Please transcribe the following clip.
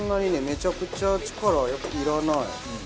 めちゃくちゃ力はいらない。